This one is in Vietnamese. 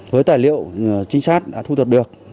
với tài liệu chính xác đã thu thập được